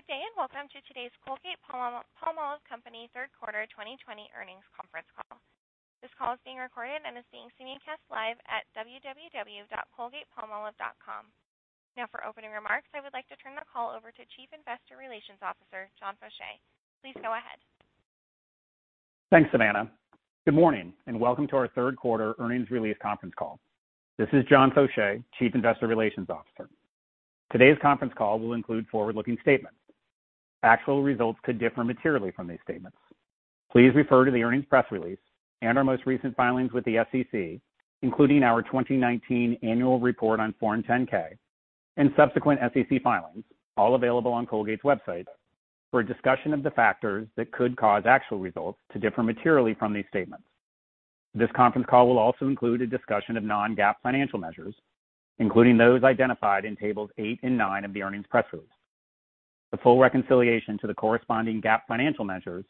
Good day, welcome to today's Colgate-Palmolive Company Third Quarter 2020 Earnings Conference Call. This call is being recorded and is being simulcast live at www.colgatepalmolive.com. Now for opening remarks, I would like to turn the call over to Chief Investor Relations Officer, John Faucher, please go ahead. Thanks, Savannah. Good morning, and welcome to our third quarter earnings release conference call. This is John Faucher, Chief Investor Relations Officer. Today's conference call will include forward-looking statements. Actual results could differ materially from these statements. Please refer to the earnings press release and our most recent filings with the SEC, including our 2019 Annual Report on Form 10-K and subsequent SEC filings, all available on Colgate's website, for a discussion of the factors that could cause actual results to differ materially from these statements. This conference call will also include a discussion of non-GAAP financial measures, including those identified in Table 8 and Table 9 of the earnings press release. The full reconciliation to the corresponding GAAP financial measures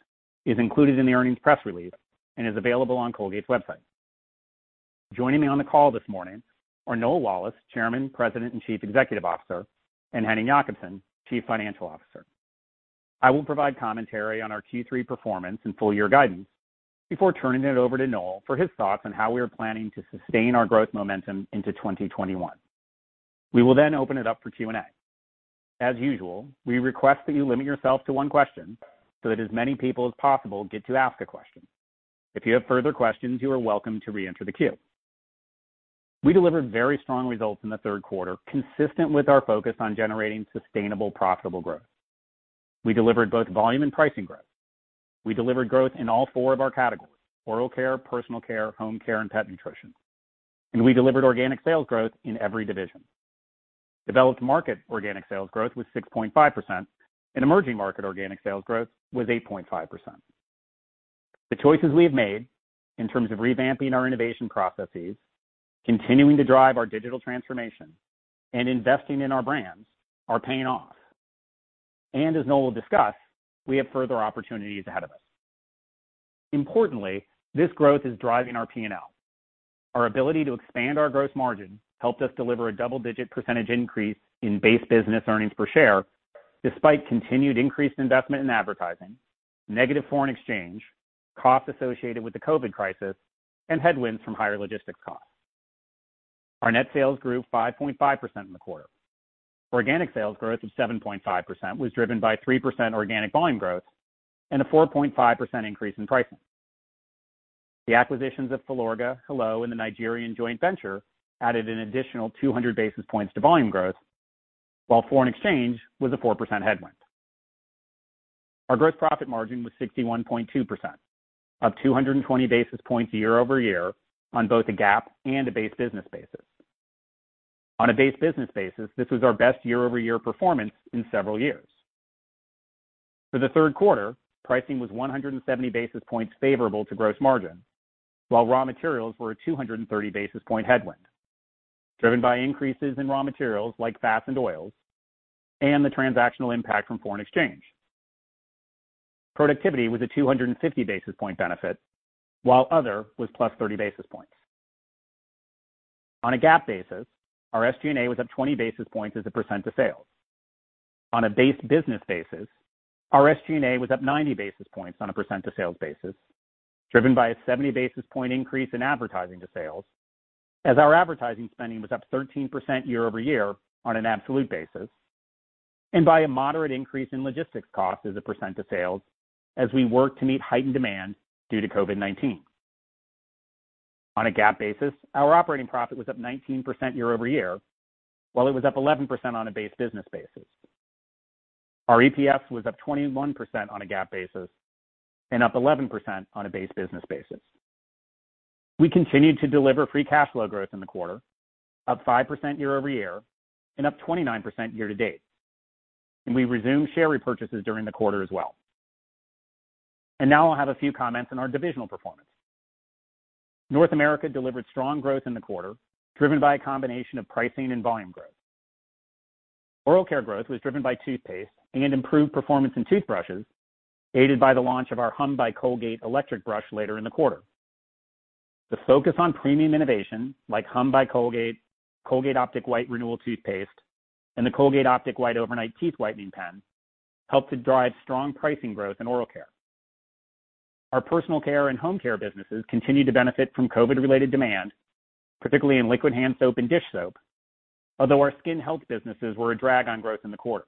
is included in the earnings press release and is available on Colgate's website. Joining me on the call this morning are Noel Wallace, Chairman, President, and Chief Executive Officer, and Henning Jakobsen, Chief Financial Officer. I will provide commentary on our Q3 performance and full year guidance before turning it over to Noel for his thoughts on how we are planning to sustain our growth momentum into 2021. We will then open it up for Q&A. As usual, we request that you limit yourself to one question so that as many people as possible get to ask a question. If you have further questions, you are welcome to re-enter the queue. We delivered very strong results in the third quarter, consistent with our focus on generating sustainable, profitable growth. We delivered both volume and pricing growth. We delivered growth in all four of our categories, oral care, personal care, home care, and pet nutrition. We delivered organic sales growth in every division. Developed market organic sales growth was 6.5%, and emerging market organic sales growth was 8.5%. The choices we have made in terms of revamping our innovation processes, continuing to drive our digital transformation, and investing in our brands are paying off. As Noel will discuss, we have further opportunities ahead of us. Importantly, this growth is driving our P&L. Our ability to expand our gross margin helped us deliver a double-digit percentage increase in base business earnings per share, despite continued increased investment in advertising, negative foreign exchange, costs associated with the COVID crisis, and headwinds from higher logistics costs. Our net sales grew 5.5% in the quarter. Organic sales growth of 7.5% was driven by 3% organic volume growth and a 4.5% increase in pricing. The acquisitions of Filorga, Hello, and the Nigerian joint venture added an additional 200 basis points to volume growth, while foreign exchange was a 4% headwind. Our gross profit margin was 61.2%, up 220 basis points year-over-year on both a GAAP and a base business basis. On a base business basis, this was our best year-over-year performance in several years. For the third quarter, pricing was 170 basis points favorable to gross margin, while raw materials were a 230 basis point headwind, driven by increases in raw materials like fats and oils and the transactional impact from foreign exchange. Productivity was a 250 basis point benefit, while other was +30 basis points. On a GAAP basis, our SG&A was up 20 basis points as a percentage of sales. On a base business basis, our SG&A was up 90 basis points on a percentage of sales basis, driven by a 70 basis point increase in advertising to sales as our advertising spending was up 13% year-over-year on an absolute basis and by a moderate increase in logistics cost as a percentage of sales as we work to meet heightened demand due to COVID-19. On a GAAP basis, our operating profit was up 19% year-over-year, while it was up 11% on a base business basis. Our EPS was up 21% on a GAAP basis and up 11% on a base business basis. We continued to deliver free cash flow growth in the quarter, up 5% year-over-year and up 29% year-to-date. We resumed share repurchases during the quarter as well. Now I'll have a few comments on our divisional performance. North America delivered strong growth in the quarter, driven by a combination of pricing and volume growth. Oral care growth was driven by toothpaste and improved performance in toothbrushes, aided by the launch of our hum by Colgate electric brush later in the quarter. The focus on premium innovation, like hum by Colgate, Colgate Optic White Renewal toothpaste, and the Colgate Optic White Overnight teeth whitening pen, helped to drive strong pricing growth in oral care. Our personal care and home care businesses continued to benefit from COVID-related demand, particularly in liquid hand soap and dish soap. Although our skin health businesses were a drag on growth in the quarter.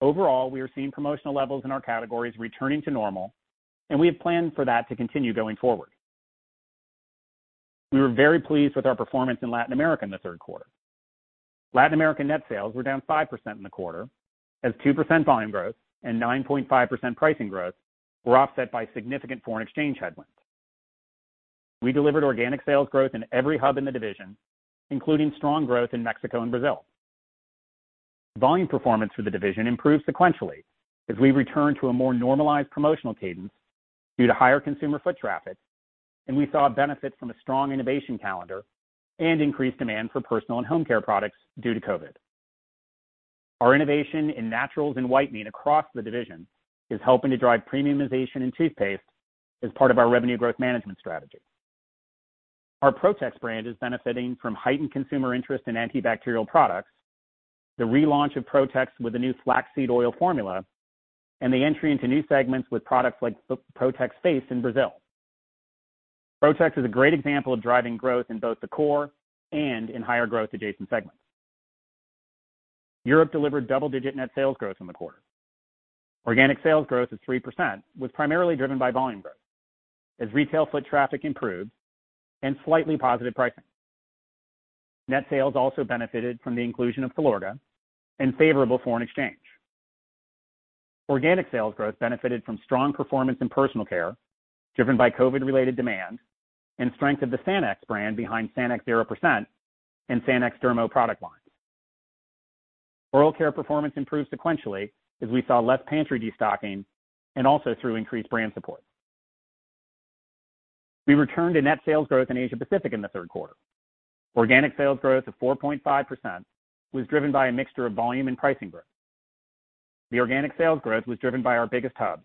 Overall, we are seeing promotional levels in our categories returning to normal, and we have planned for that to continue going forward. We were very pleased with our performance in Latin America in the third quarter. Latin America net sales were down 5% in the quarter as 2% volume growth and 9.5% pricing growth were offset by significant foreign exchange headwinds. We delivered organic sales growth in every hub in the division, including strong growth in Mexico and Brazil. Volume performance for the division improved sequentially as we returned to a more normalized promotional cadence due to higher consumer foot traffic, and we saw a benefit from a strong innovation calendar and increased demand for personal and home care products due to COVID. Our innovation in naturals and whitening across the division is helping to drive premiumization in toothpaste as part of our revenue growth management strategy. Our Protex brand is benefiting from heightened consumer interest in antibacterial products, the relaunch of Protex with a new flaxseed oil formula, and the entry into new segments with products like Protex Face in Brazil. Protex is a great example of driving growth in both the core and in higher growth adjacent segments. Europe delivered double-digit net sales growth in the quarter. Organic sales growth is 3%, was primarily driven by volume growth as retail foot traffic improved and slightly positive pricing. Net sales also benefited from the inclusion of Filorga and favorable foreign exchange. Organic sales growth benefited from strong performance in personal care, driven by COVID-related demand and strength of the Sanex brand behind Sanex 0% and Sanex Dermo product lines. Oral care performance improved sequentially as we saw less pantry destocking and also through increased brand support. We returned to net sales growth in Asia Pacific in the third quarter. Organic sales growth of 4.5% was driven by a mixture of volume and pricing growth. The organic sales growth was driven by our biggest hubs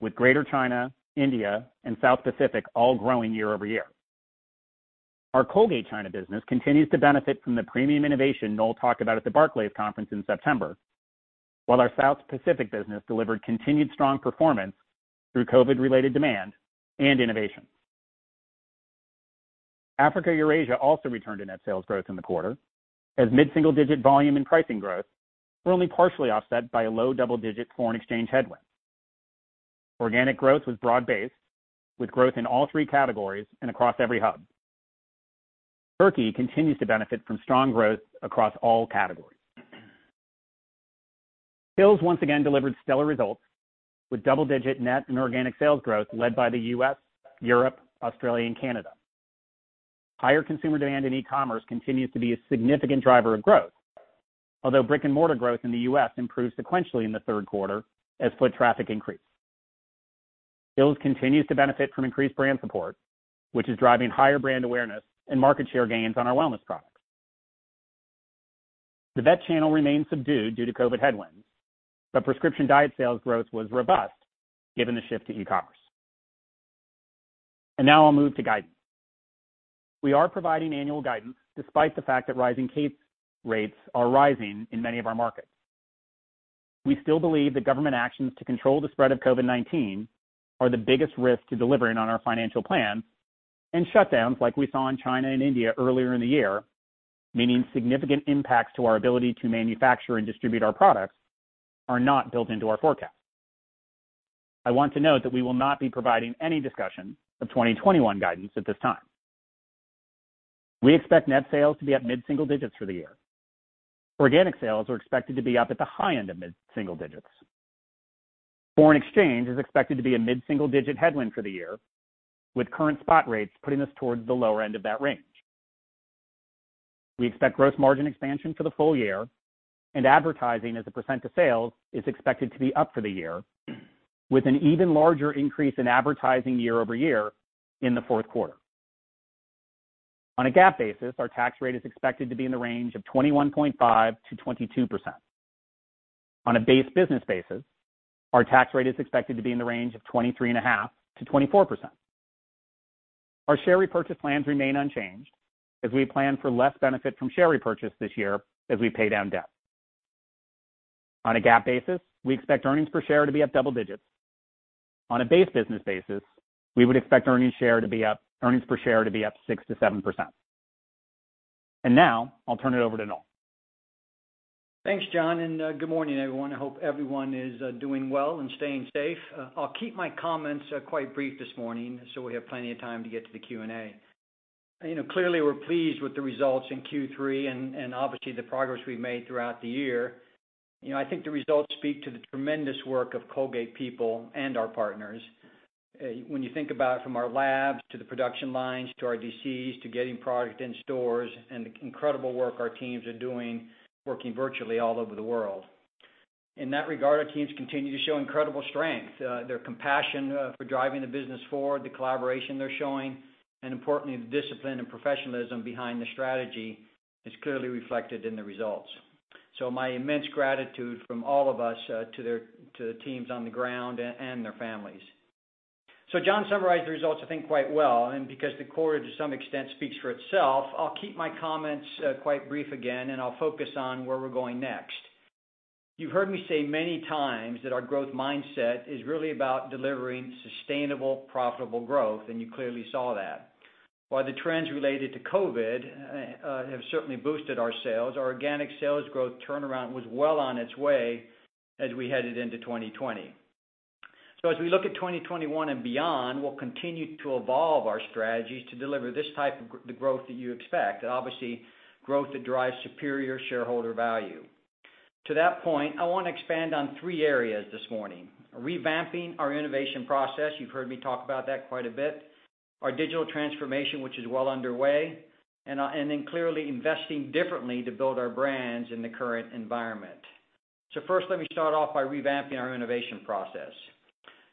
with Greater China, India, and South Pacific all growing year over year. Our Colgate China business continues to benefit from the premium innovation Noel talked about at the Barclays conference in September, while our South Pacific business delivered continued strong performance through COVID-related demand and innovation. Africa Eurasia also returned to net sales growth in the quarter as mid-single-digit volume and pricing growth were only partially offset by a low double-digit foreign exchange headwind. Organic growth was broad-based with growth in all three categories and across every hub. Turkey continues to benefit from strong growth across all categories. Hill's once again delivered stellar results with double-digit net and organic sales growth led by the U.S., Europe, Australia, and Canada. Higher consumer demand in e-commerce continues to be a significant driver of growth. Although brick and mortar growth in the U.S. improved sequentially in the third quarter as foot traffic increased. Hill's continues to benefit from increased brand support, which is driving higher brand awareness and market share gains on our wellness products. The vet channel remains subdued due to COVID headwinds, Prescription Diet sales growth was robust given the shift to e-commerce. Now I'll move to guidance. We are providing annual guidance despite the fact that rising case rates are rising in many of our markets. We still believe that Government actions to control the spread of COVID-19 are the biggest risk to delivering on our financial plan, and shutdowns like we saw in China and India earlier in the year, meaning significant impacts to our ability to manufacture and distribute our products, are not built into our forecast. I want to note that we will not be providing any discussion of 2021 guidance at this time. We expect net sales to be up mid-single digits for the year. Organic sales are expected to be up at the high end of mid-single digits. Foreign exchange is expected to be a mid-single-digit headwind for the year, with current spot rates putting us towards the lower end of that range. We expect gross margin expansion for the full year and advertising as a percentage of sales is expected to be up for the year, with an even larger increase in advertising year-over-year in the fourth quarter. On a GAAP basis, our tax rate is expected to be in the range of 21.5%-22%. On a base business basis, our tax rate is expected to be in the range of 23.5%-24%. Our share repurchase plans remain unchanged as we plan for less benefit from share repurchase this year as we pay down debt. On a GAAP basis, we expect earnings per share to be up double digits. On a base business basis, we would expect earnings per share to be up 6%-7%. Now I'll turn it over to Noel. Thanks, John. Good morning everyone? I hope everyone is doing well and staying safe. I'll keep my comments quite brief this morning, so we have plenty of time to get to the Q&A. Clearly, we're pleased with the results in Q3 and obviously the progress we've made throughout the year. I think the results speak to the tremendous work of Colgate people and our partners. When you think about from our labs to the production lines, to our DCs, to getting product in stores, and the incredible work our teams are doing, working virtually all over the world. In that regard, our teams continue to show incredible strength. Their compassion for driving the business forward, the collaboration they're showing, and importantly, the discipline and professionalism behind the strategy is clearly reflected in the results. My immense gratitude from all of us to the teams on the ground and their families. John summarized the results, I think, quite well, and because the quarter, to some extent, speaks for itself, I'll keep my comments quite brief again, and I'll focus on where we're going next. You've heard me say many times that our growth mindset is really about delivering sustainable, profitable growth, and you clearly saw that. While the trends related to COVID have certainly boosted our sales, our organic sales growth turnaround was well on its way as we headed into 2020. As we look at 2021 and beyond, we'll continue to evolve our strategies to deliver this type of the growth that you expect and obviously growth that drives superior shareholder value. To that point, I want to expand on three areas this morning. Revamping our innovation process, you've heard me talk about that quite a bit. Our digital transformation, which is well underway, clearly investing differently to build our brands in the current environment. First, let me start off by revamping our innovation process.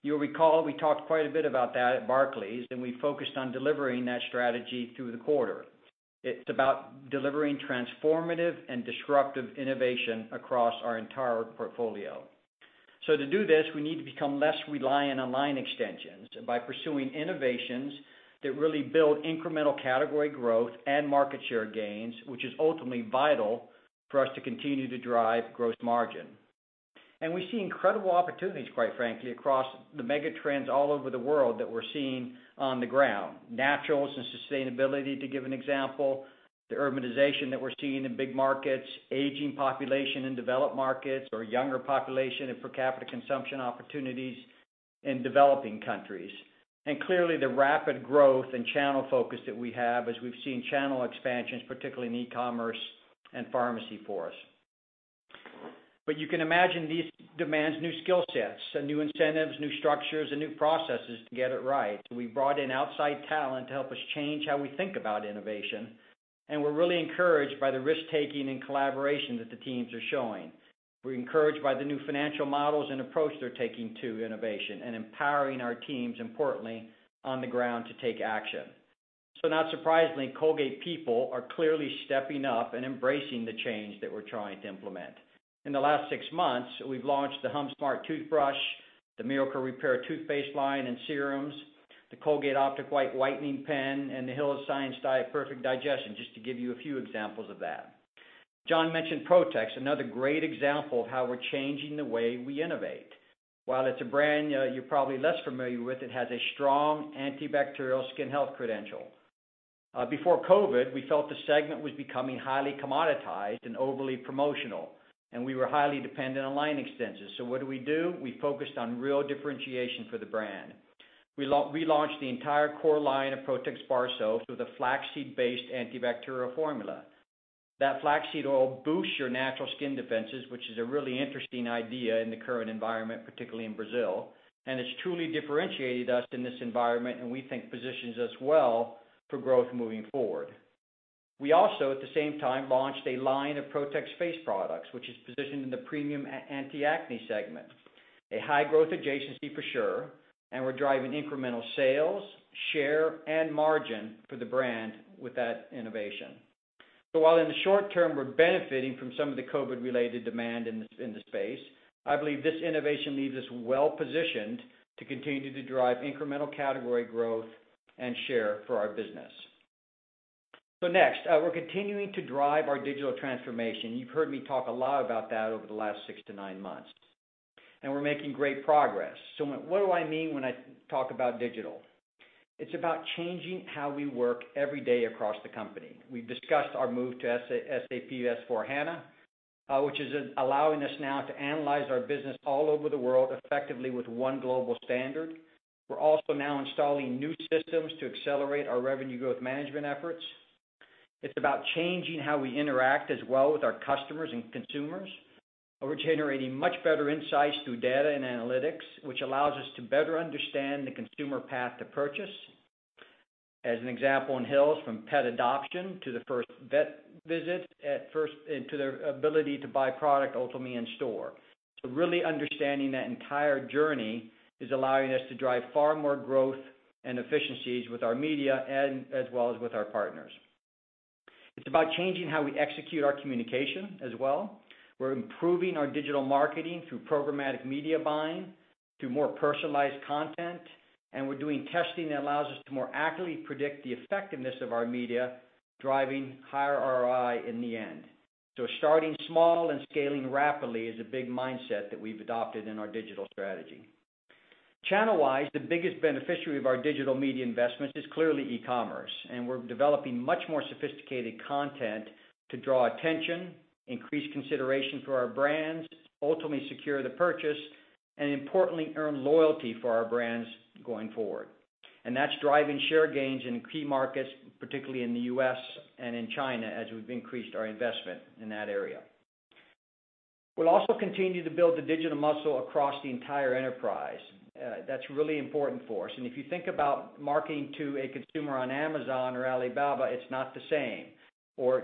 You'll recall we talked quite a bit about that at Barclays, and we focused on delivering that strategy through the quarter. It's about delivering transformative and disruptive innovation across our entire portfolio. To do this, we need to become less reliant on line extensions by pursuing innovations that really build incremental category growth and market share gains, which is ultimately vital for us to continue to drive gross margin. We see incredible opportunities, quite frankly, across the mega trends all over the world that we're seeing on the ground. Naturals and sustainability, to give an example, the urbanization that we're seeing in big markets, aging population in developed markets or younger population and per capita consumption opportunities in developing countries. Clearly, the rapid growth and channel focus that we have as we've seen channel expansions, particularly in e-commerce and pharmacy for us. You can imagine this demands new skill sets and new incentives, new structures and new processes to get it right. We brought in outside talent to help us change how we think about innovation, and we're really encouraged by the risk-taking and collaboration that the teams are showing. We're encouraged by the new financial models and approach they're taking to innovation and empowering our teams, importantly, on the ground to take action. Not surprisingly, Colgate people are clearly stepping up and embracing the change that we're trying to implement. In the last six months, we've launched the hum Smart toothbrush, the Miracle Repair toothpaste line and serums, the Colgate Optic White whitening pen, and the Hill's Science Diet Perfect Digestion, just to give you a few examples of that. John mentioned Protex, another great example of how we're changing the way we innovate. While it's a brand you're probably less familiar with, it has a strong antibacterial skin health credential. Before COVID, we felt the segment was becoming highly commoditized and overly promotional, and we were highly dependent on line extensions. What do we do? We focused on real differentiation for the brand. We relaunched the entire core line of Protex bar soaps with a flaxseed-based antibacterial formula. That flaxseed oil boosts your natural skin defenses, which is a really interesting idea in the current environment, particularly in Brazil, and it's truly differentiated us in this environment, and we think positions us well for growth moving forward. We also, at the same time, launched a line of Protex Face products, which is positioned in the premium anti-acne segment, a high-growth adjacency for sure, and we're driving incremental sales, share, and margin for the brand with that innovation. While in the short term, we're benefiting from some of the COVID-related demand in the space, I believe this innovation leaves us well-positioned to continue to drive incremental category growth and share for our business. Next, we're continuing to drive our digital transformation. You've heard me talk a lot about that over the last six to nine months, and we're making great progress. What do I mean when I talk about digital? It's about changing how we work every day across the company. We've discussed our move to SAP S/4HANA which is allowing us now to analyze our business all over the world effectively with one global standard. We're also now installing new systems to accelerate our revenue growth management efforts. It's about changing how we interact as well with our customers and consumers. We're generating much better insights through data and analytics, which allows us to better understand the consumer path to purchase. As an example in Hill's, from pet adoption to the first vet visit, to their ability to buy product ultimately in store. Really understanding that entire journey is allowing us to drive far more growth and efficiencies with our media and as well as with our partners. It's about changing how we execute our communication as well. We're improving our digital marketing through programmatic media buying, through more personalized content, and we're doing testing that allows us to more accurately predict the effectiveness of our media, driving higher ROI in the end. Starting small and scaling rapidly is a big mindset that we've adopted in our digital strategy. Channel-wise, the biggest beneficiary of our digital media investments is clearly e-commerce, and we're developing much more sophisticated content to draw attention, increase consideration for our brands, ultimately secure the purchase, and importantly, earn loyalty for our brands going forward. That's driving share gains in key markets, particularly in the U.S. and in China, as we've increased our investment in that area. We'll also continue to build the digital muscle across the entire enterprise. That's really important for us. If you think about marketing to a consumer on Amazon or Alibaba, it's not the same.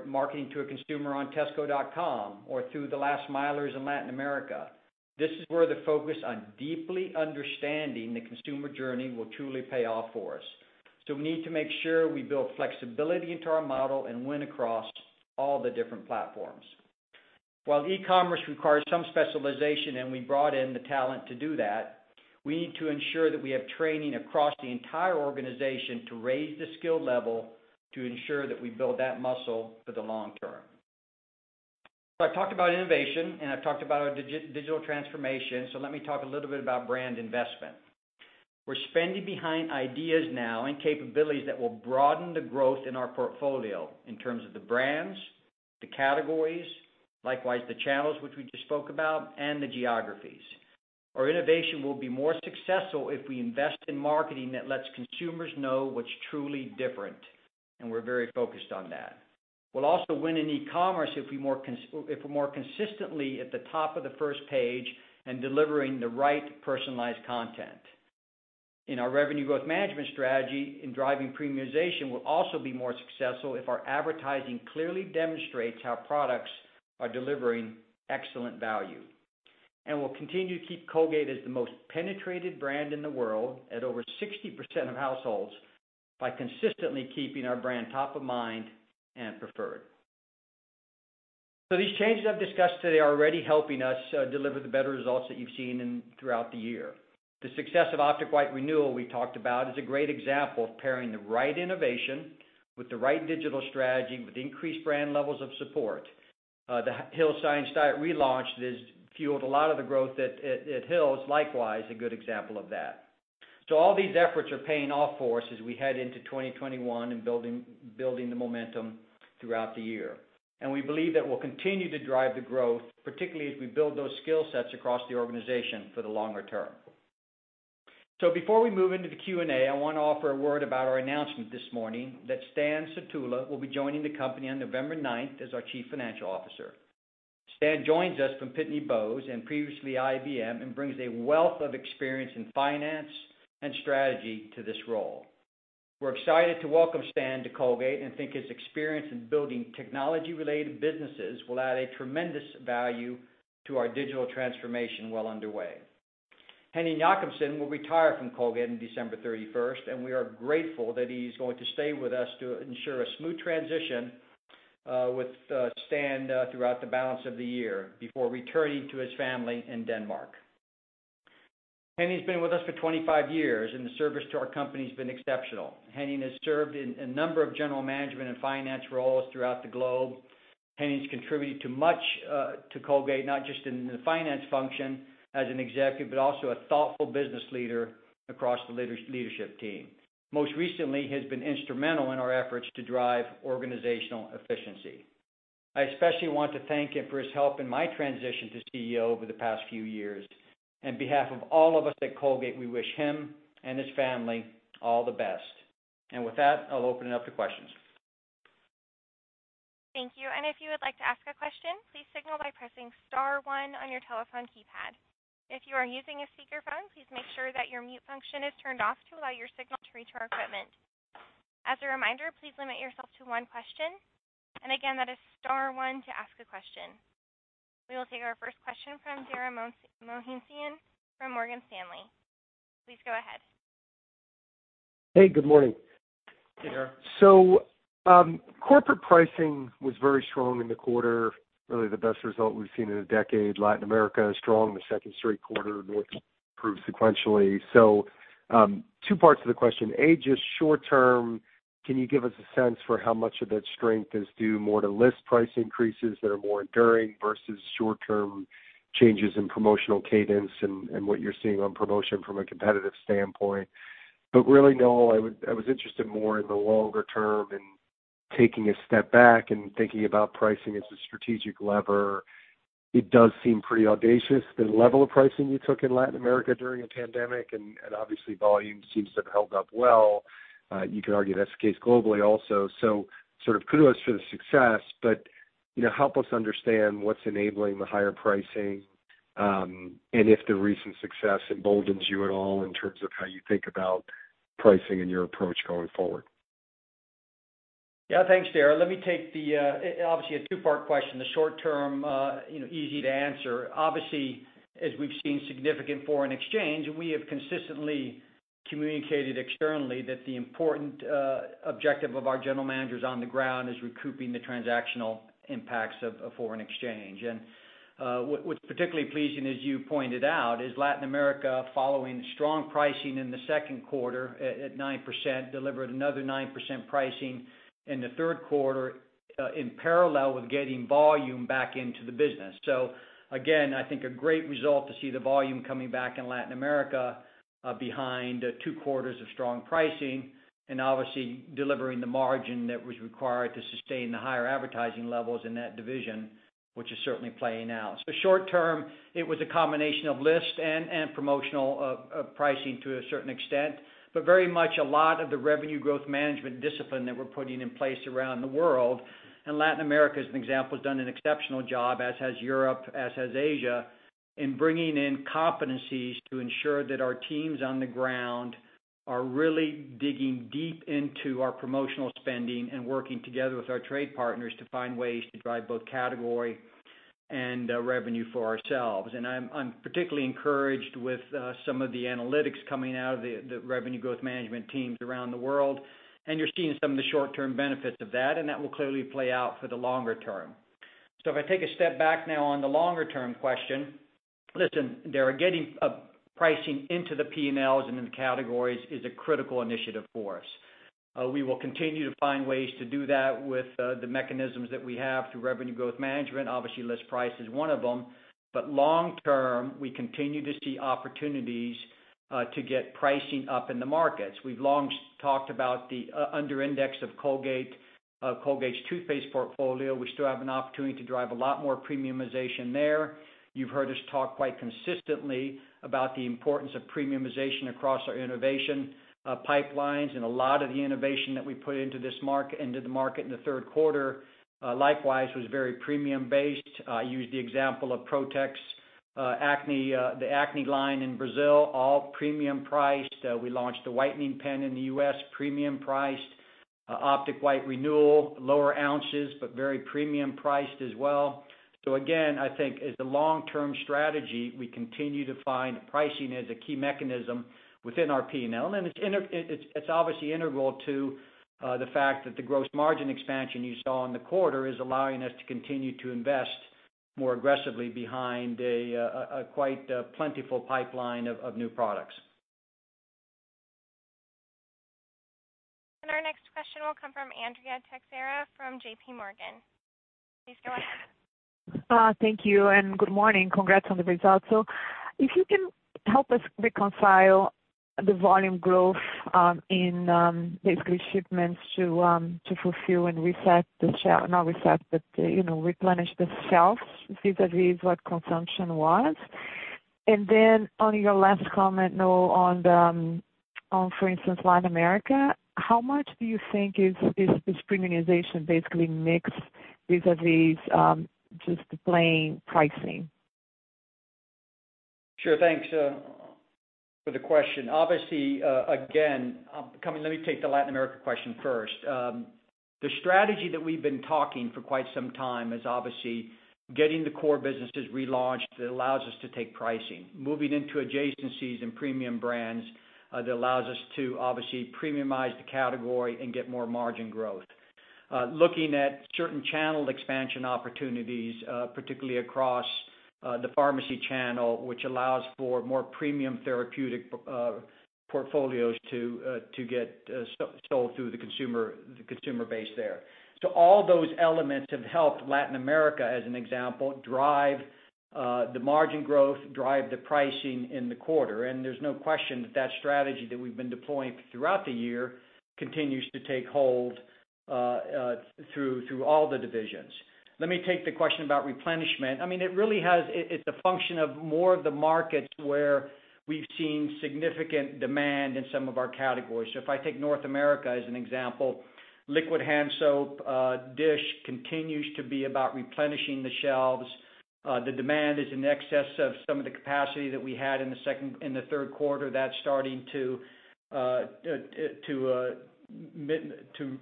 Marketing to a consumer on tesco.com or through the last milers in Latin America. This is where the focus on deeply understanding the consumer journey will truly pay off for us. We need to make sure we build flexibility into our model and win across all the different platforms. While e-commerce requires some specialization and we brought in the talent to do that, we need to ensure that we have training across the entire organization to raise the skill level to ensure that we build that muscle for the long term. I've talked about innovation and I've talked about our digital transformation, so let me talk a little bit about brand investment. We're spending behind ideas now and capabilities that will broaden the growth in our portfolio in terms of the brands, the categories, likewise, the channels which we just spoke about, and the geographies. Our innovation will be more successful if we invest in marketing that lets consumers know what's truly different, and we're very focused on that. We'll also win in e-commerce if we're more consistently at the top of the first page and delivering the right personalized content. In our revenue growth management strategy in driving premiumization will also be more successful if our advertising clearly demonstrates how products are delivering excellent value. We'll continue to keep Colgate as the most penetrated brand in the world at over 60% of households by consistently keeping our brand top of mind and preferred. These changes I've discussed today are already helping us deliver the better results that you've seen throughout the year. The success of Optic White Renewal we talked about is a great example of pairing the right innovation with the right digital strategy, with increased brand levels of support. The Hill's Science Diet relaunch that has fueled a lot of the growth at Hill's, likewise, a good example of that. All these efforts are paying off for us as we head into 2021 and building the momentum throughout the year. We believe that we'll continue to drive the growth, particularly as we build those skill sets across the organization for the longer term. Before we move into the Q&A, I want to offer a word about our announcement this morning that Stan Sutula will be joining the company on November 9 as our Chief Financial Officer. Stan joins us from Pitney Bowes and previously IBM and brings a wealth of experience in finance and strategy to this role. We're excited to welcome Stan to Colgate and think his experience in building technology-related businesses will add a tremendous value to our digital transformation well underway. Henning Jakobsen will retire from Colgate in December 31. We are grateful that he's going to stay with us to ensure a smooth transition with Stan throughout the balance of the year, before returning to his family in Denmark. Henning's been with us for 25 years. The service to our company has been exceptional. Henning has served in a number of General Management and Finance roles throughout the globe. Henning's contributed much to Colgate, not just in the finance function as an executive, but also a thoughtful business leader across the leadership team. Most recently, he has been instrumental in our efforts to drive organizational efficiency. I especially want to thank him for his help in my transition to Chief Executive Officer over the past few years. On behalf of all of us at Colgate, we wish him and his family all the best. With that, I'll open it up to questions. Thank you. If you would like to ask a question, please signal by pressing star one on your telephone keypad. If you are using a speakerphone, please make sure that your mute function is turned off to allow your signal to reach our equipment. As a reminder, please limit yourself to one question. Again, that is star one to ask a question. We will take our first question from Dara Mohsenian from Morgan Stanley, please go ahead. Hey, good morning? Hey, Dara. Corporate pricing was very strong in the quarter, really the best result we've seen in a decade. Latin America is strong, the second straight quarter, North improved sequentially. Two parts of the question. A, just short-term, can you give us a sense for how much of that strength is due more to list price increases that are more enduring versus short-term changes in promotional cadence and what you're seeing on promotion from a competitive standpoint? Really, Noel, I was interested more in the longer term and taking a step back and thinking about pricing as a strategic lever. It does seem pretty audacious, the level of pricing you took in Latin America during a pandemic, and obviously volume seems to have held up well. You could argue that's the case globally also. Kudos for the success, but help us understand what's enabling the higher pricing, and if the recent success emboldens you at all in terms of how you think about pricing and your approach going forward. Yeah, thanks, Dara. Let me take obviously a two-part question, the short term, easy to answer. As we've seen significant foreign exchange, we have consistently communicated externally that the important objective of our General Managers on the ground is recouping the transactional impacts of foreign exchange. What's particularly pleasing, as you pointed out, is Latin America, following strong pricing in the second quarter at 9%, delivered another 9% pricing in the third quarter in parallel with getting volume back into the business. Again, I think a great result to see the volume coming back in Latin America behind two quarters of strong pricing and obviously delivering the margin that was required to sustain the higher advertising levels in that division, which is certainly playing out. Short term, it was a combination of list and promotional pricing to a certain extent, but very much a lot of the revenue growth management discipline that we're putting in place around the world. Latin America, as an example, has done an exceptional job, as has Europe, as has Asia, in bringing in competencies to ensure that our teams on the ground are really digging deep into our promotional spending and working together with our trade partners to find ways to drive both category and revenue for ourselves. I'm particularly encouraged with some of the analytics coming out of the revenue growth management teams around the world. You're seeing some of the short-term benefits of that, and that will clearly play out for the longer term. If I take a step back now on the longer-term question, listen, Dara, getting pricing into the P&Ls and in the categories is a critical initiative for us. We will continue to find ways to do that with the mechanisms that we have through revenue growth management. Obviously, list price is one of them. Long term, we continue to see opportunities to get pricing up in the markets. We've long talked about the under-index of Colgate's toothpaste portfolio. We still have an opportunity to drive a lot more premiumization there. You've heard us talk quite consistently about the importance of premiumization across our innovation pipelines. A lot of the innovation that we put into the market in the third quarter likewise was very premium based. I use the example of Protex acne, the acne line in Brazil, all premium priced. We launched a whitening pen in the U.S., premium priced. Optic White Renewal, lower ounces, very premium priced as well. Again, I think as the long-term strategy, we continue to find pricing as a key mechanism within our P&L. It's obviously integral to the fact that the gross margin expansion you saw in the quarter is allowing us to continue to invest more aggressively behind a quite plentiful pipeline of new products. Our next question will come from Andrea Teixeira from JPMorgan, please go ahead. Thank you, and good morning? Congrats on the results. If you can help us reconcile the volume growth in basically shipments to fulfill and replenish the shelves vis-a-vis what consumption was. On your last comment, Noel, on for instance, Latin America, how much do you think is this premiumization basically mixed vis-a-vis just the plain pricing? Sure. Thanks for the question. Obviously, again, let me take the Latin America question first. The strategy that we've been talking for quite some time is obviously getting the core businesses relaunched that allows us to take pricing. Moving into adjacencies and premium brands that allows us to obviously premiumize the category and get more margin growth. Looking at certain channel expansion opportunities, particularly across the pharmacy channel, which allows for more premium therapeutic portfolios to get sold through the consumer base there. All those elements have helped Latin America, as an example, drive the margin growth, drive the pricing in the quarter. There's no question that that strategy that we've been deploying throughout the year continues to take hold through all the divisions. Let me take the question about replenishment. It's a function of more of the markets where we've seen significant demand in some of our categories. If I take North America as an example, liquid hand soap, dish, continues to be about replenishing the shelves. The demand is in excess of some of the capacity that we had in the third quarter. That's starting to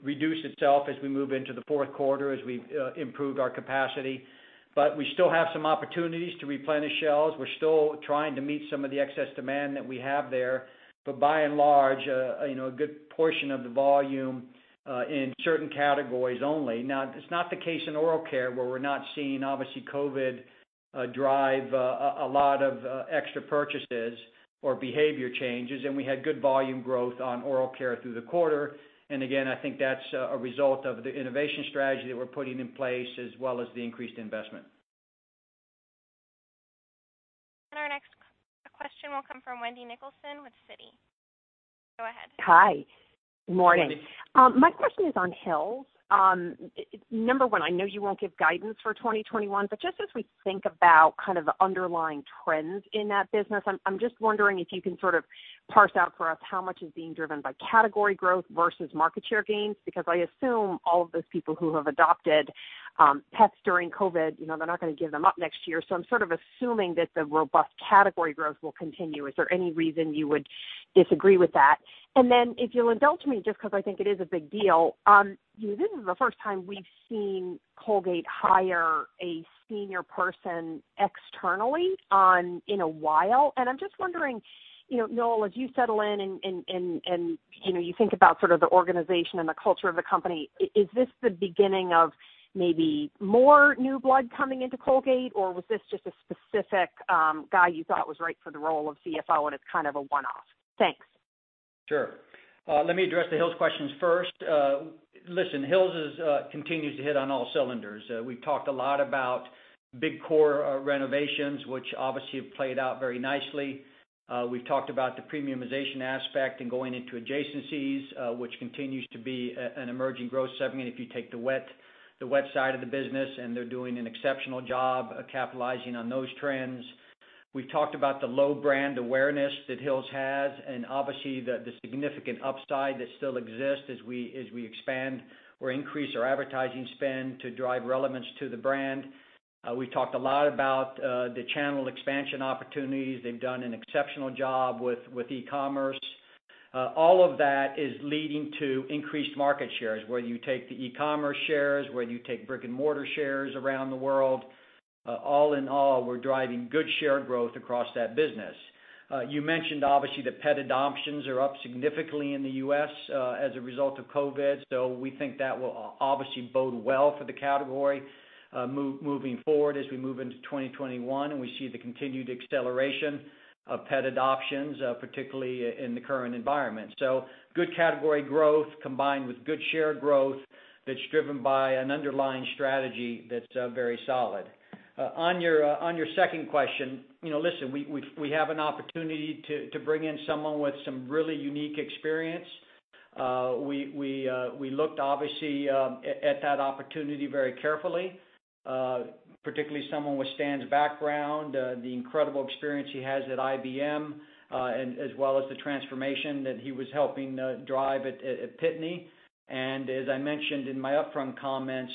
reduce itself as we move into the fourth quarter, as we've improved our capacity. We still have some opportunities to replenish shelves. We're still trying to meet some of the excess demand that we have there. By and large, a good portion of the volume in certain categories only. It's not the case in oral care where we're not seeing, obviously, COVID drive a lot of extra purchases or behavior changes. We had good volume growth on oral care through the quarter. Again, I think that's a result of the innovation strategy that we're putting in place as well as the increased investment. Our next question will come from Wendy Nicholson with Citi, go ahead. Hi. Good morning? My question is on Hill's. Number one, I know you won't give guidance for 2021, just as we think about kind of the underlying trends in that business, I'm just wondering if you can sort of parse out for us how much is being driven by category growth versus market share gains. I assume all of those people who have adopted pets during COVID, they're not going to give them up next year. I'm sort of assuming that the robust category growth will continue. Is there any reason you would disagree with that? Then if you'll indulge me, just because I think it is a big deal. This is the first time we've seen Colgate hire a senior person externally in a while. I'm just wondering, Noel, as you settle in and you think about sort of the organization and the culture of the company, is this the beginning of maybe more new blood coming into Colgate, or was this just a specific guy you thought was right for the role of Chief Financial Officer, and it's kind of a one-off? Thanks. Let me address the Hill's questions first. Hill's continues to hit on all cylinders. We've talked a lot about big core renovations, which obviously have played out very nicely. We've talked about the premiumization aspect and going into adjacencies, which continues to be an emerging growth segment if you take the wet side of the business. They're doing an exceptional job of capitalizing on those trends. We've talked about the low brand awareness that Hill's has, obviously the significant upside that still exists as we expand or increase our advertising spend to drive relevance to the brand. We talked a lot about the channel expansion opportunities. They've done an exceptional job with e-commerce. All of that is leading to increased market shares, whether you take the e-commerce shares, whether you take brick and mortar shares around the world. All in all, we're driving good share growth across that business. You mentioned, obviously, that pet adoptions are up significantly in the U.S. as a result of COVID. We think that will obviously bode well for the category moving forward as we move into 2021, and we see the continued acceleration of pet adoptions, particularly in the current environment. Good category growth combined with good share growth that's driven by an underlying strategy that's very solid. On your second question, listen, we have an opportunity to bring in someone with some really unique experience. We looked obviously at that opportunity very carefully, particularly someone with Stan's background, the incredible experience he has at IBM, as well as the transformation that he was helping drive at Pitney. As I mentioned in my upfront comments,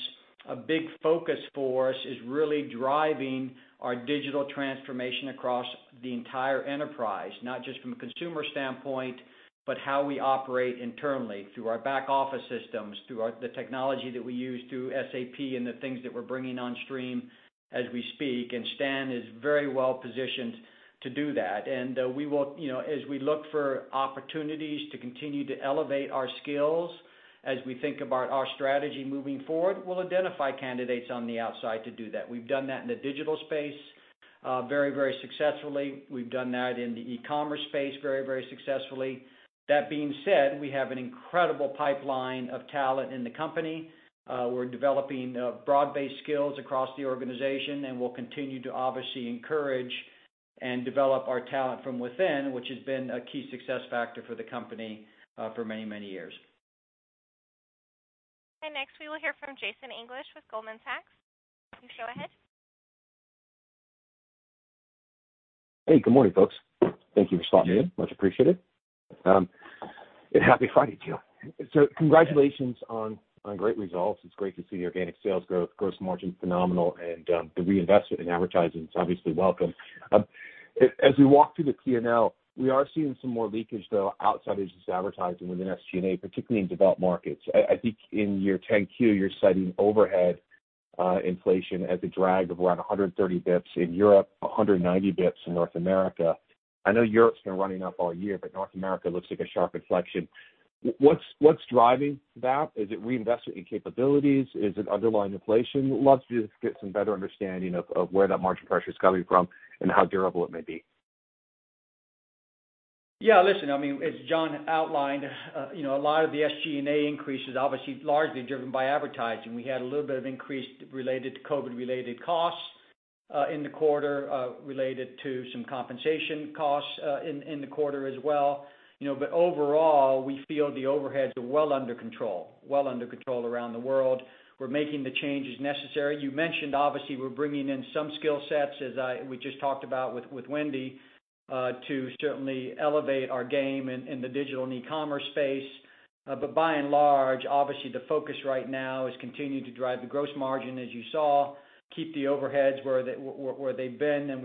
a big focus for us is really driving our digital transformation across the entire enterprise, not just from a consumer standpoint, but how we operate internally through our back office systems, through the technology that we use, through SAP and the things that we're bringing on stream as we speak. Stan is very well positioned to do that. As we look for opportunities to continue to elevate our skills, as we think about our strategy moving forward, we'll identify candidates on the outside to do that. We've done that in the digital space very successfully. We've done that in the e-commerce space very successfully. That being said, we have an incredible pipeline of talent in the company. We're developing broad-based skills across the organization, and we'll continue to obviously encourage and develop our talent from within, which has been a key success factor for the company for many years. Next, we will hear from Jason English with Goldman Sachs, please go ahead. Hey, good morning folks? Thank you for spotting me in. Much appreciated. Congratulations on great results. It's great to see organic sales growth, gross margin phenomenal, and the reinvestment in advertising is obviously welcome. As we walk through the P&L, we are seeing some more leakage, though, outside of just advertising within SG&A, particularly in developed markets. I think in your 10-Q, you're citing overhead inflation as a drag of around 130 basis points in Europe, 190 basis points in North America. I know Europe's been running up all year, but North America looks like a sharp inflection. What's driving that? Is it reinvestment in capabilities? Is it underlying inflation? Love to just get some better understanding of where that margin pressure is coming from and how durable it may be. Yeah. Listen, as John outlined, a lot of the SG&A increase is obviously largely driven by advertising. We had a little bit of increase related to COVID-related costs in the quarter, related to some compensation costs in the quarter as well. Overall, we feel the overheads are well under control around the world. We're making the changes necessary. You mentioned, obviously, we're bringing in some skill sets, as we just talked about with Wendy, to certainly elevate our game in the digital and e-commerce space. By and large, obviously, the focus right now is continuing to drive the gross margin as you saw, keep the overheads where they've been, and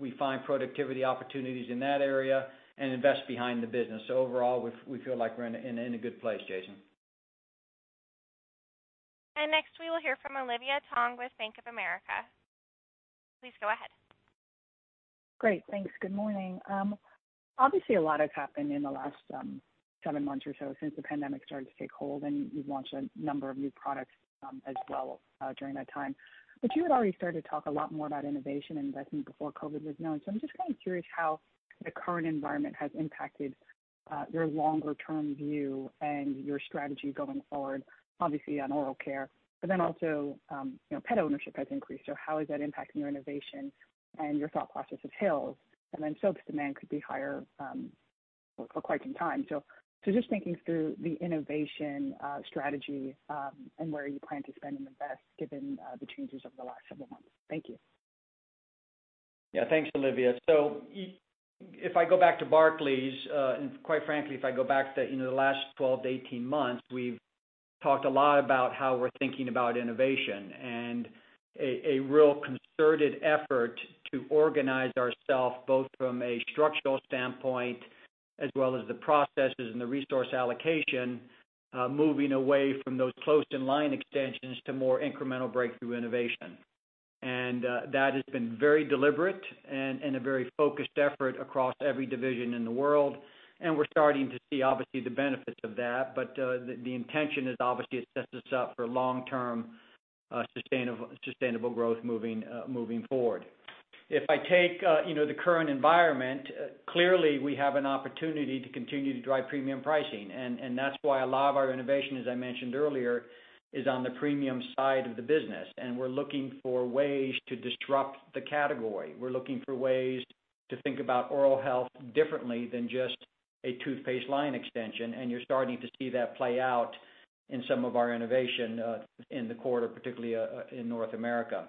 we find productivity opportunities in that area and invest behind the business. Overall, we feel like we're in a good place, Jason. Next, we will hear from Olivia Tong with Bank of America, please go ahead. Great. Thanks. Good morning. A lot has happened in the last seven months or so since the pandemic started to take hold, and you've launched a number of new products as well during that time. You had already started to talk a lot more about innovation and investment before COVID was known. I'm just kind of curious how the current environment has impacted your longer-term view and your strategy going forward, obviously, on oral care, but also pet ownership has increased. How is that impacting your innovation and your thought process with Hill's? Soaps demand could be higher for quite some time. Just thinking through the innovation strategy, and where you plan to spend and invest given the changes over the last several months. Thank you. Yeah. Thanks, Olivia. If I go back to Barclays, and quite frankly, if I go back to the last 12 months-18 months, we've talked a lot about how we're thinking about innovation, a real concerted effort to organize ourselves, both from a structural standpoint as well as the processes and the resource allocation, moving away from those closed and line extensions to more incremental breakthrough innovation. That has been very deliberate and a very focused effort across every division in the world. We're starting to see, obviously, the benefits of that. The intention is obviously it sets us up for long-term sustainable growth moving forward. If I take the current environment, clearly we have an opportunity to continue to drive premium pricing. That's why a lot of our innovation, as I mentioned earlier, is on the premium side of the business, and we're looking for ways to disrupt the category. We're looking for ways to think about oral health differently than just a toothpaste line extension, and you're starting to see that play out in some of our innovation in the quarter, particularly in North America.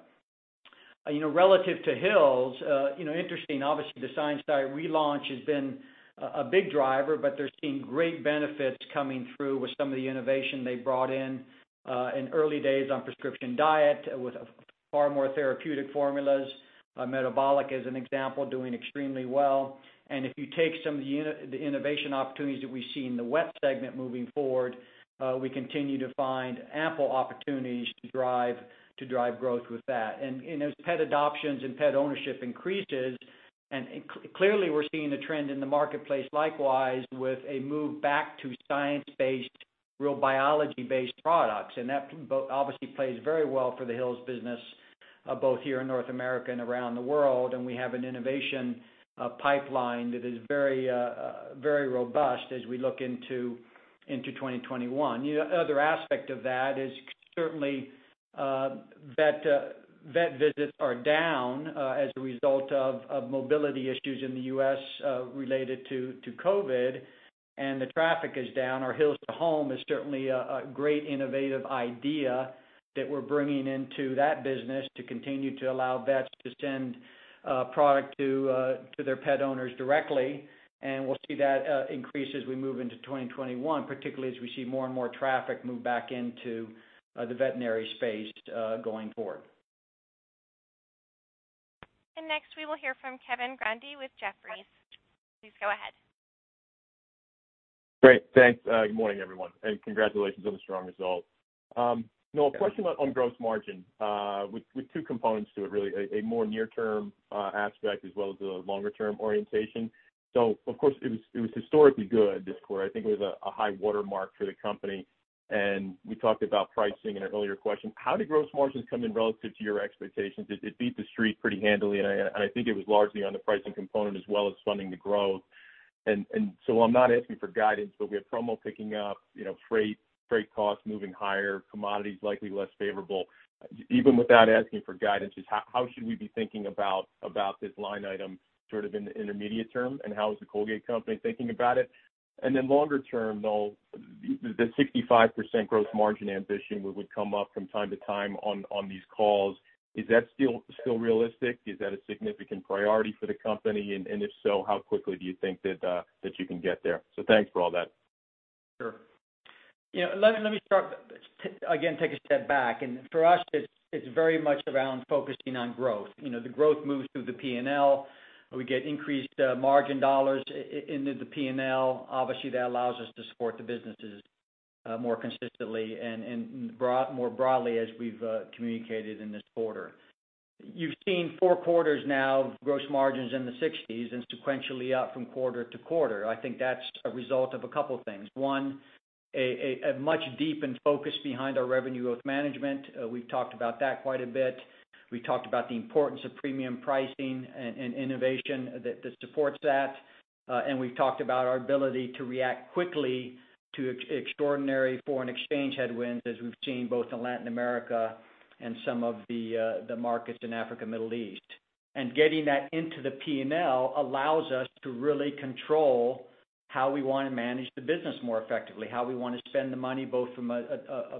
Relative to Hill's, interesting, obviously, the Science Diet relaunch has been a big driver, but they're seeing great benefits coming through with some of the innovation they brought in early days on Prescription Diet with far more therapeutic formulas. Metabolic, as an example, doing extremely well. If you take some of the innovation opportunities that we see in the wet segment moving forward, we continue to find ample opportunities to drive growth with that. As pet adoptions and pet ownership increases, clearly we're seeing a trend in the marketplace likewise with a move back to science-based, real biology-based products. That obviously plays very well for the Hill's business, both here in North America and around the world. We have an innovation pipeline that is very robust as we look into 2021. The other aspect of that is certainly vet visits are down as a result of mobility issues in the U.S. related to COVID, and the traffic is down. Our Hill's to Home is certainly a great innovative idea that we're bringing into that business to continue to allow vets to send product to their pet owners directly. We'll see that increase as we move into 2021, particularly as we see more and more traffic move back into the veterinary space going forward. Next, we will hear from Kevin Grundy with Jefferies, please go ahead. Great. Thanks. Good morning, everyone, and congratulations on the strong result. Noel, a question on gross margin with two components to it, really, a more near-term aspect as well as a longer-term orientation. Of course, it was historically good this quarter. I think it was a high watermark for the company, and we talked about pricing in an earlier question. How did gross margins come in relative to your expectations? It beat The Street pretty handily, and I think it was largely on the pricing component as well as funding the growth. I'm not asking for guidance, but we have promo picking up, freight costs moving higher, commodities likely less favorable. Even without asking for guidance, just how should we be thinking about this line item sort of in the intermediate term, and how is the Colgate company thinking about it? Longer term, Noel, the 65% gross margin ambition would come up from time to time on these calls. Is that still realistic? Is that a significant priority for the company? If so, how quickly do you think that you can get there? Thanks for all that. Sure. Let me start, again, take a step back. For us, it's very much around focusing on growth. The growth moves through the P&L. We get increased margin dollars into the P&L. Obviously, that allows us to support the businesses more consistently and more broadly as we've communicated in this quarter. You've seen four quarters now of gross margins in the 60s% and sequentially up from quarter to quarter. I think that's a result of a couple things. One, a much deepened focus behind our revenue growth management. We've talked about that quite a bit. We talked about the importance of premium pricing and innovation that supports that. We've talked about our ability to react quickly to extraordinary foreign exchange headwinds as we've seen both in Latin America and some of the markets in Africa, Middle East. Getting that into the P&L allows us to really control how we want to manage the business more effectively, how we want to spend the money, both from a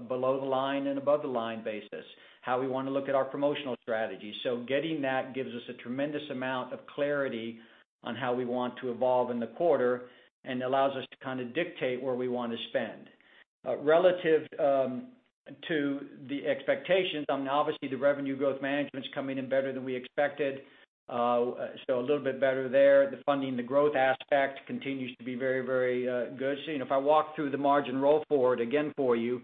below the line and above the line basis, how we want to look at our promotional strategy. Getting that gives us a tremendous amount of clarity on how we want to evolve in the quarter and allows us to kind of dictate where we want to spend. Relative to the expectations, obviously the revenue growth management's coming in better than we expected, so a little bit better there. The funding the growth aspect continues to be very good. If I walk through the margin roll forward again for you.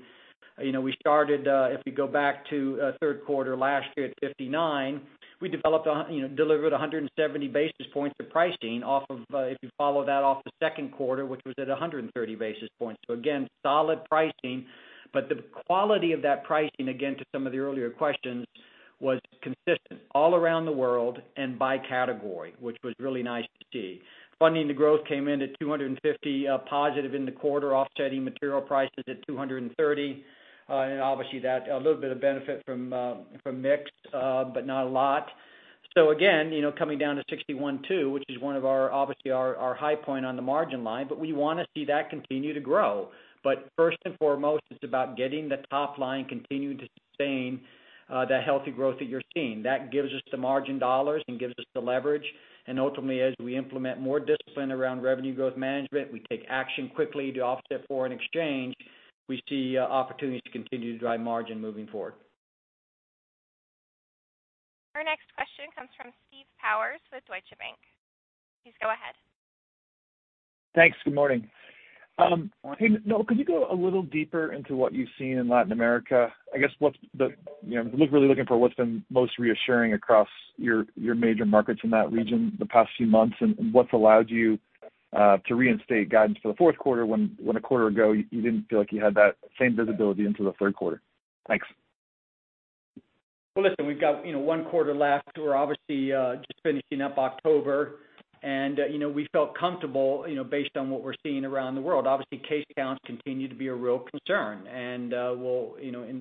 We started, if we go back to third quarter last year at 59%, we delivered 170 basis points of pricing off of, if you follow that off the second quarter, which was at 130 basis points. Again, solid pricing, but the quality of that pricing, again, to some of the earlier questions, was consistent all around the world and by category, which was really nice to see. Funding the growth came in at 250 basis points positive in the quarter, offsetting material prices at 230 basis points. Obviously a little bit of benefit from mix, but not a lot. Again, coming down to 61.2%, which is one of, obviously, our high point on the margin line, but we want to see that continue to grow. First and foremost, it's about getting the top line continuing to sustain the healthy growth that you're seeing. That gives us the margin dollars and gives us the leverage. Ultimately, as we implement more discipline around revenue growth management, we take action quickly to offset foreign exchange, we see opportunities to continue to drive margin moving forward. Our next question comes from Steve Powers with Deutsche Bank, please go ahead. Thanks. Good morning? Morning. Hey, Noel, could you go a little deeper into what you've seen in Latin America? I guess, really looking for what's been most reassuring across your major markets in that region the past few months, and what's allowed you to reinstate guidance for the fourth quarter when a quarter ago you didn't feel like you had that same visibility into the third quarter. Thanks. Well, listen, we've got one quarter left. We're obviously just finishing up October, and we felt comfortable based on what we're seeing around the world. Obviously, case counts continue to be a real concern.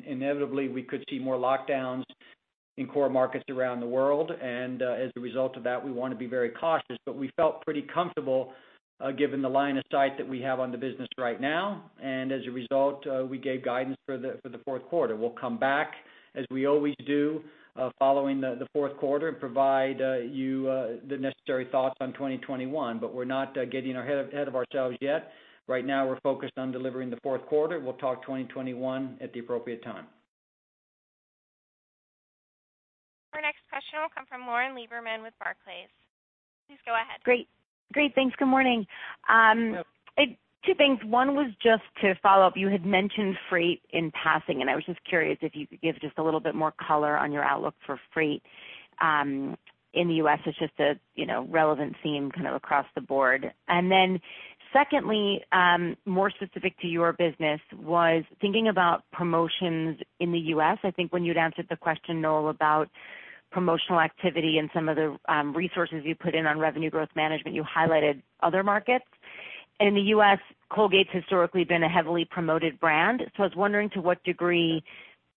Inevitably we could see more lockdowns in core markets around the world, and as a result of that, we want to be very cautious. We felt pretty comfortable given the line of sight that we have on the business right now, and as a result, we gave guidance for the fourth quarter. We'll come back as we always do following the fourth quarter and provide you the necessary thoughts on 2021. We're not getting ahead of ourselves yet. Right now, we're focused on delivering the fourth quarter. We'll talk 2021 at the appropriate time. Our next question will come from Lauren Lieberman with Barclays, please go ahead. Great. Thanks. Good morning? Yep. Two things. One was just to follow up. You had mentioned freight in passing, and I was just curious if you could give just a little bit more color on your outlook for freight in the U.S. It's just a relevant theme kind of across the board. Secondly, more specific to your business, was thinking about promotions in the U.S. I think when you'd answered the question, Noel, about promotional activity and some of the resources you put in on revenue growth management, you highlighted other markets. In the U.S., Colgate's historically been a heavily promoted brand. I was wondering to what degree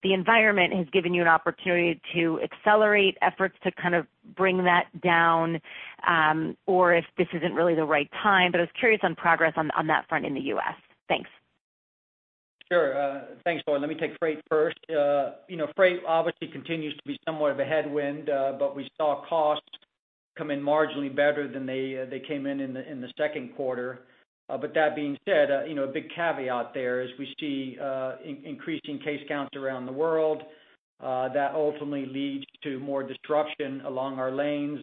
the environment has given you an opportunity to accelerate efforts to kind of bring that down, or if this isn't really the right time. I was curious on progress on that front in the U.S. Thanks. Sure. Thanks, Lauren. Let me take freight first. Freight obviously continues to be somewhat of a headwind, we saw costs come in marginally better than they came in the second quarter. That being said, a big caveat there is we see increasing case counts around the world that ultimately leads to more disruption along our lanes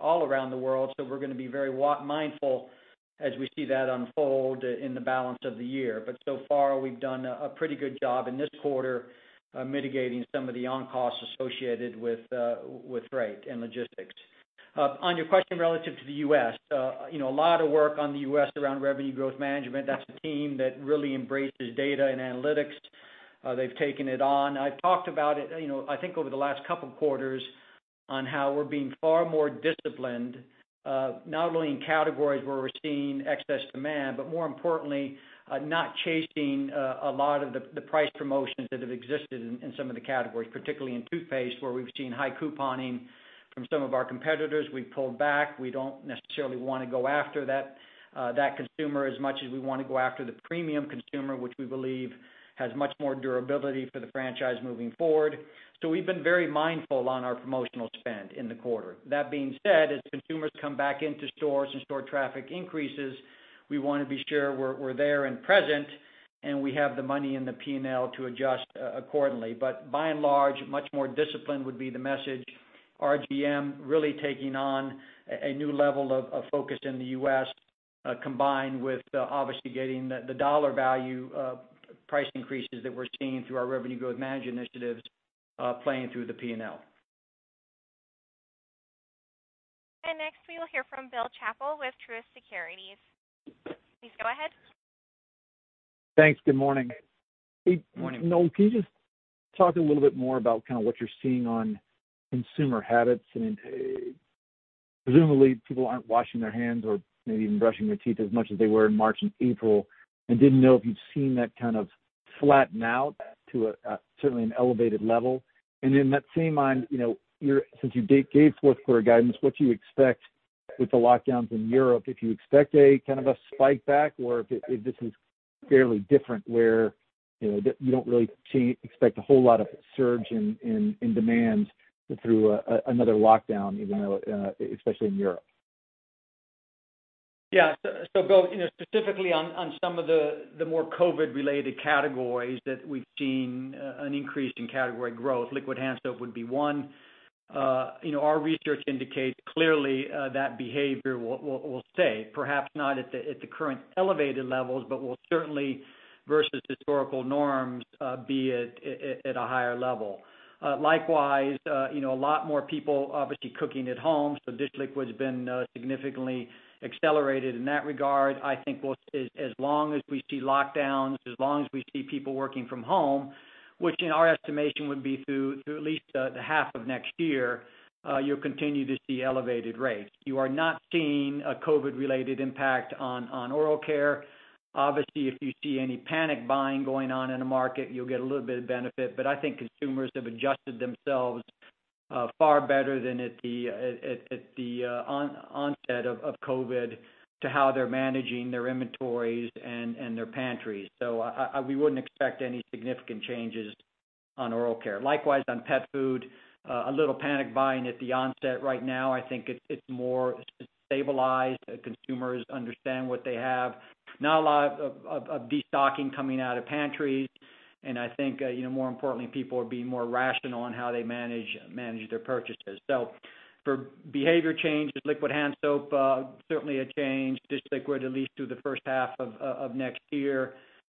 all around the world. We're going to be very mindful as we see that unfold in the balance of the year. So far, we've done a pretty good job in this quarter mitigating some of the on-costs associated with freight and logistics. On your question relative to the U.S., a lot of work on the U.S. around revenue growth management. That's a team that really embraces data and analytics. They've taken it on. I've talked about it, I think, over the last couple of quarters on how we're being far more disciplined not only in categories where we're seeing excess demand, but more importantly, not chasing a lot of the price promotions that have existed in some of the categories, particularly in toothpaste, where we've seen high couponing from some of our competitors. We've pulled back. We don't necessarily want to go after that consumer as much as we want to go after the premium consumer, which we believe has much more durability for the franchise moving forward. We've been very mindful on our promotional spend in the quarter. That being said, as consumers come back into stores and store traffic increases, we want to be sure we're there and present, and we have the money in the P&L to adjust accordingly. By and large, much more discipline would be the message. RGM really taking on a new level of focus in the U.S., combined with obviously getting the dollar value price increases that we're seeing through our revenue growth management initiatives playing through the P&L. Next we will hear from Bill Chappell with Truist Securities, please go ahead. Thanks. Good morning? Morning. Noel, can you just talk a little bit more about what you're seeing on consumer habits and presumably people aren't washing their hands or maybe even brushing their teeth as much as they were in March and April, and didn't know if you've seen that kind of flatten out to certainly an elevated level. In that same line, since you gave fourth quarter guidance, what do you expect with the lockdowns in Europe? Do you expect a spike back or if this is fairly different where you don't really expect a whole lot of surge in demand through another lockdown, especially in Europe? Yeah. Bill, specifically on some of the more COVID-related categories that we've seen an increase in category growth, liquid hand soap would be one. Our research indicates clearly that behavior will stay, perhaps not at the current elevated levels, but will certainly, versus historical norms, be at a higher level. Likewise, a lot more people obviously cooking at home, dish liquid's been significantly accelerated in that regard. I think both as long as we see lockdowns, as long as we see people working from home, which in our estimation would be through at least the half of next year, you'll continue to see elevated rates. You are not seeing a COVID-related impact on oral care. If you see any panic buying going on in the market, you'll get a little bit of benefit, but I think consumers have adjusted themselves far better than at the onset of COVID to how they're managing their inventories and their pantries. We wouldn't expect any significant changes on oral care. Likewise, on pet food, a little panic buying at the onset right now, I think it's more stabilized. Consumers understand what they have. Not a lot of de-stocking coming out of pantries, I think more importantly, people are being more rational on how they manage their purchases. For behavior change, liquid hand soap certainly a change. Dish liquid, at least through the first half of next year.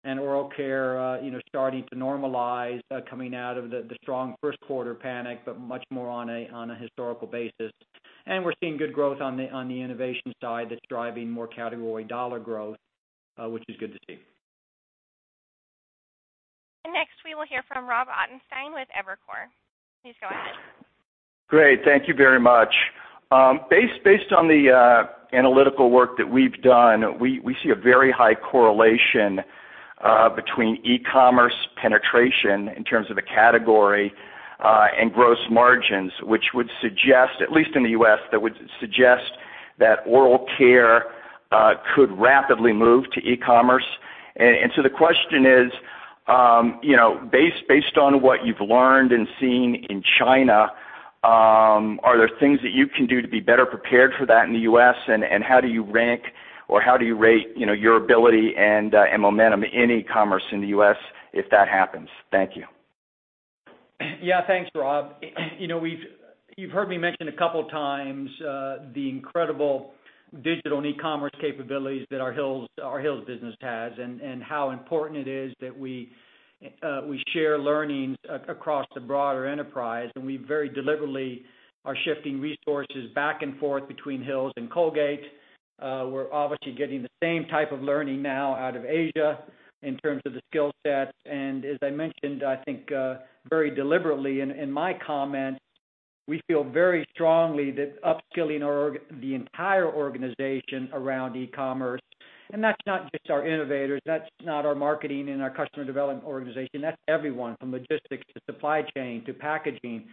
Oral care starting to normalize coming out of the strong first quarter panic, but much more on a historical basis. We're seeing good growth on the innovation side that's driving more category dollar growth, which is good to see. Next we will hear from Rob Ottenstein with Evercore, please go ahead. Great. Thank you very much. Based on the analytical work that we've done, we see a very high correlation between e-commerce penetration in terms of the category, and gross margins, which would suggest, at least in the U.S., that oral care could rapidly move to e-commerce. The question is, based on what you've learned and seen in China, are there things that you can do to be better prepared for that in the U.S.? How do you rank, or how do you rate your ability and momentum in e-commerce in the U.S. if that happens? Thank you. Thanks, Rob. You've heard me mention a couple of times, the incredible digital and e-commerce capabilities that our Hill's business has, and how important it is that we share learnings across the broader enterprise. We very deliberately are shifting resources back and forth between Hill's and Colgate. We're obviously getting the same type of learning now out of Asia in terms of the skill sets. As I mentioned, I think, very deliberately in my comments, we feel very strongly that upskilling the entire organization around e-commerce, and that's not just our innovators, that's not our marketing and our customer development organization. That's everyone, from logistics to supply chain to packaging.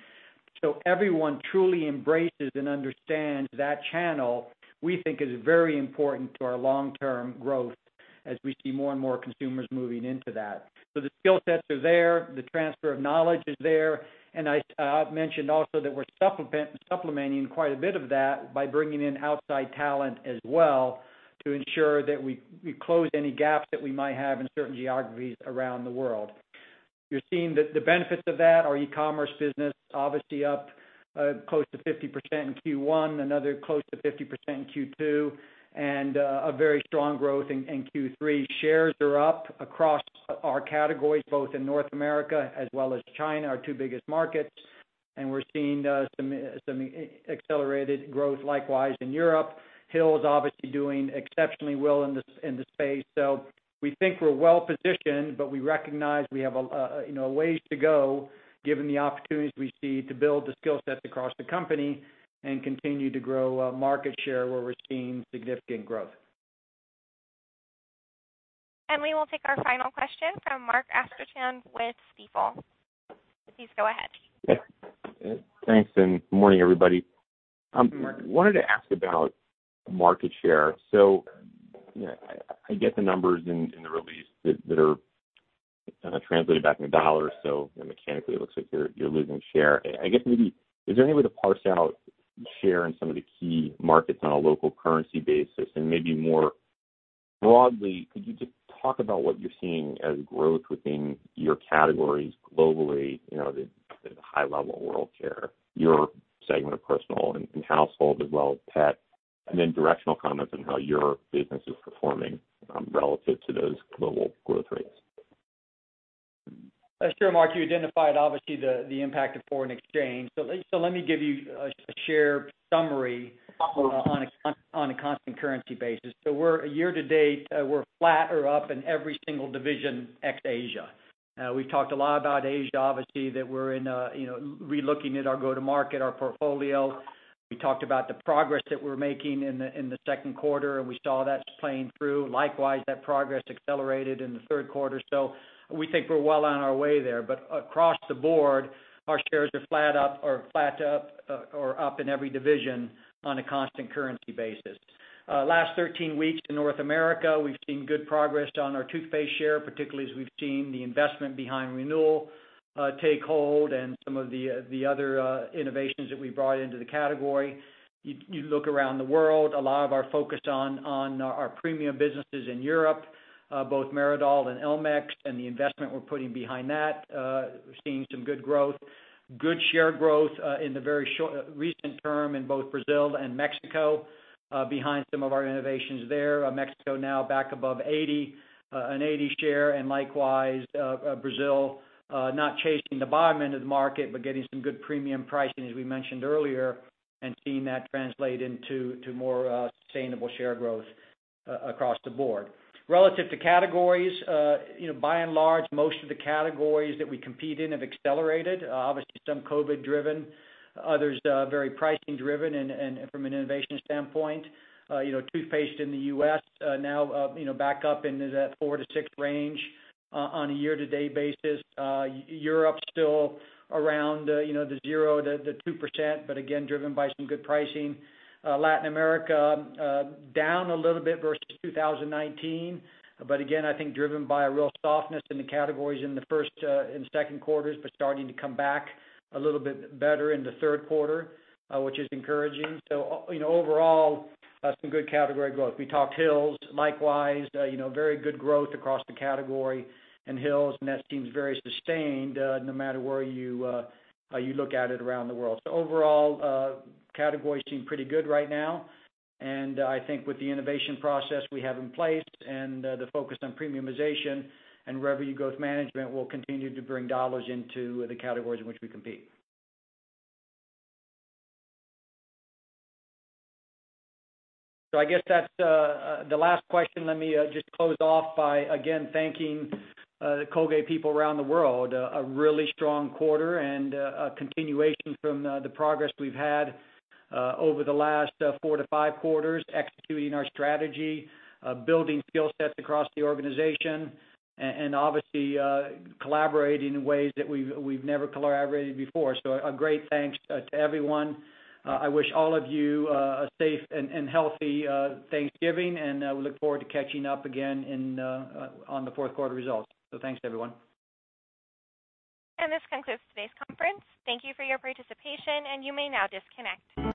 Everyone truly embraces and understands that channel we think is very important to our long-term growth as we see more and more consumers moving into that. The skill sets are there, the transfer of knowledge is there, and I've mentioned also that we're supplementing quite a bit of that by bringing in outside talent as well to ensure that we close any gaps that we might have in certain geographies around the world. You're seeing the benefits of that. Our e-commerce business, obviously up close to 50% in Q1, another close to 50% in Q2, and a very strong growth in Q3. Shares are up across our categories, both in North America as well as China, our two biggest markets. We're seeing some accelerated growth likewise in Europe. Hill's obviously doing exceptionally well in the space. We think we're well-positioned, but we recognize we have a ways to go given the opportunities we see to build the skill sets across the company and continue to grow market share where we're seeing significant growth. We will take our final question from Mark Astrachan with Stifel, please go ahead. Thanks, and good morning, everybody. I get the numbers in the release that are translated back into dollars. I guess maybe, is there any way to parse out share in some of the key markets on a local currency basis? Maybe more broadly, could you just talk about what you're seeing as growth within your categories globally, the high-level oral care, your segment of personal and household as well as pet, and then directional comments on how your business is performing relative to those global growth rates? Sure, Mark. You identified, obviously, the impact of foreign exchange. Let me give you a share summary on a constant currency basis. Year to date, we're flat or up in every single division, ex-Asia. We've talked a lot about Asia, obviously, that we're relooking at our go-to-market, our portfolio. We talked about the progress that we're making in the second quarter, and we saw that playing through. Likewise, that progress accelerated in the third quarter. We think we're well on our way there. Across the board, our shares are flat or up in every division on a constant currency basis. Last 13 weeks in North America, we've seen good progress on our toothpaste share, particularly as we've seen the investment behind Renewal take hold and some of the other innovations that we brought into the category. You look around the world, a lot of our focus on our premium businesses in Europe, both Meridol and Elmex and the investment we're putting behind that, we're seeing some good growth. Good share growth in the very recent term in both Brazil and Mexico behind some of our innovations there. Mexico now back above an 80% share, and likewise Brazil, not chasing the bottom end of the market, but getting some good premium pricing, as we mentioned earlier, and seeing that translate into more sustainable share growth across the board. Relative to categories, by and large, most of the categories that we compete in have accelerated. Obviously, some COVID driven, others very pricing driven and from an innovation standpoint. Toothpaste in the U.S. now back up into that 4%-6% range on a year-to-date basis. Europe still around the 0%-2%, driven by some good pricing. Latin America, down a little bit versus 2019. Again, I think driven by a real softness in the categories in the first and second quarters, but starting to come back a little bit better in the third quarter, which is encouraging. Overall, some good category growth. We talked Hill's, likewise very good growth across the category in Hill's, and that seems very sustained no matter where you look at it around the world. Overall, categories seem pretty good right now, and I think with the innovation process we have in place and the focus on premiumization and revenue growth management, we'll continue to bring dollars into the categories in which we compete. I guess that's the last question. Let me just close off by, again, thanking the Colgate people around the world. A really strong quarter and a continuation from the progress we've had over the last four quarters to five quarters, executing our strategy, building skill sets across the organization, and obviously collaborating in ways that we've never collaborated before. A great thanks to everyone. I wish all of you a safe and healthy Thanksgiving, and we look forward to catching up again on the fourth quarter results. Thanks, everyone. This concludes today's conference. Thank you for your participation, and you may now disconnect.